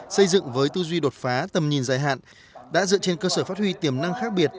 xây dựng với tư duy đột phá tầm nhìn dài hạn đã dựa trên cơ sở phát huy tiềm năng khác biệt